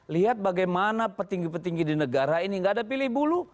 lihat bagaimana petinggi petinggi di negara ini gak ada pilih bulu